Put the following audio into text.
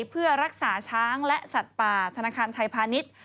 เพื่อรักษาช้างและสัตว์ป่าธนาคารไทยพาณิชย์